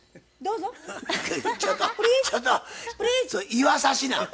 言わさしな！